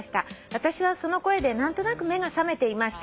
「私はその声で何となく目が覚めていました」